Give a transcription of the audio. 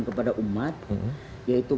kepada umat yaitu